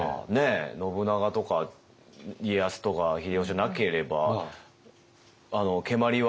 信長とか家康とか秀吉じゃなければ蹴鞠は今も。